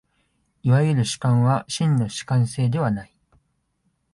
いわゆる主観は真の主観性ではない。